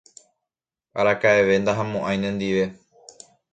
araka'eve ndahamo'ãi nendive